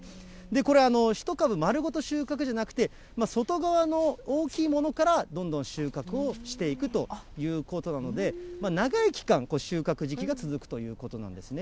これ、１株丸ごと収穫じゃなくて、外側の大きいものから、どんどん収穫をしていくということなので、長い期間収穫時期が続くということなんですね。